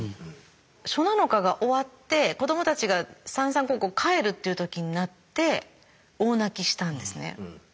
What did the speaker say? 初七日が終わって子どもたちが三々五々帰るっていう時になって大泣きしたんですね。